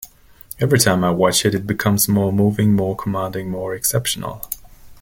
Every time I watch it, it becomes more moving, more commanding, more exceptional.